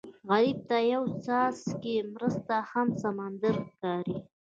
غریب ته یو څاڅکی مرسته هم سمندر ښکاري